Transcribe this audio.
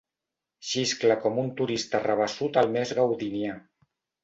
Xiscla com un turista rabassut al més gaudinià.